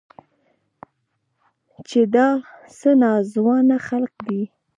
چې دا څه ناځوانه خلق دي.